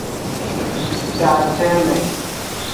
Jajeme.